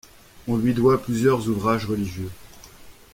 On lui doit plusieurs ouvrages religieux.